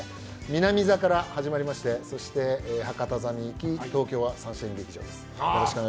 南座から始まりましてそして、博多座に行き東京はサンシャイン劇場です。